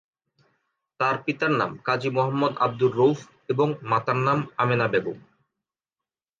তার পিতার নাম কাজী মোহাম্মদ আব্দুর রউফ এবং মাতার নাম আমেনা বেগম।